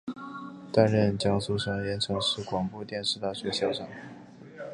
担任江苏省盐城市广播电视大学校长。